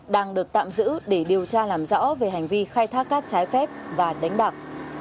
đang được tạm giữ để điều tra làm rõ về hành vi khai thác cát trái phép và đánh bạc